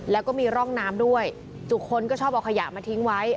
แล้วก็มีร่องน้ำด้วยทุกคนก็ชอบเอาขยะมาทิ้งไว้